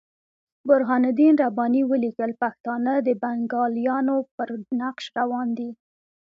برهان الدین رباني ولیکل پښتانه د بنګالیانو پر نقش روان دي.